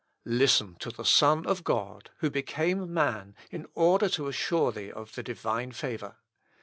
Listen to the Son of God, who became man in order to assure thee of the Divine favour.